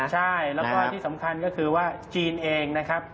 ใช่แล้วก็ที่สำคัญก็คือว่าจีนเองนะครับ